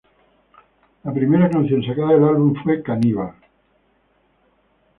La primera canción sacada del álbum fue "Cannibal".